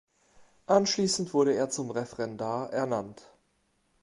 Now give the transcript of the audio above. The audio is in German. Anschließend wurde er zum Referendar ernannt.